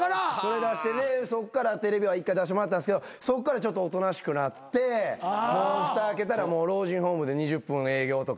そっからテレビは一回出してもらったんですけどそっからちょっとおとなしくなってもうふた開けたら老人ホームで２０分営業とか。